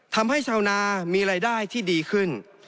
ทำให้ชาวนามีรายได้ที่ดีขึ้น